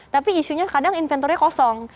tapi isunya kadang inventornya kosong